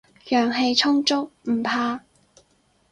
陽氣充足，唔怕